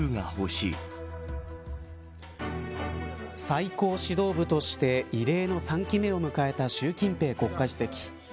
最高指導部として異例の３期目を迎えた習近平国家主席。